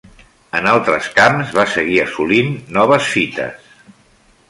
En altres camps va seguir assolint noves fites.